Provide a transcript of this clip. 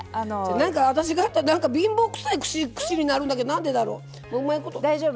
なんか、私がやったら貧乏くさい串になるんだけどなんでだろう？